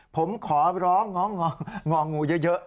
ผมขอร้องงองูเยอะ